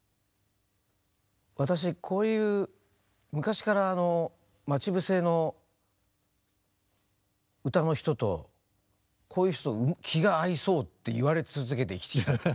私こういう昔から「まちぶせ」の歌の人とこういう人と気が合いそうって言われ続けてきた。